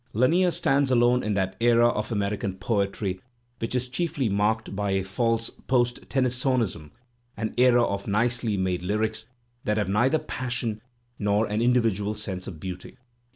Lanier stands alone in that era of American poetry which is chiefly marked by a false post Tennysonism, an era of nicely made lyrics that have neither passion nor an indi vidual sense of beauty.